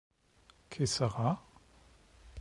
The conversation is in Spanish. Que sera?